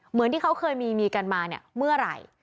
เหมือนที่เขาเคยมีมีกันมาเนี่ยเมื่อไหร่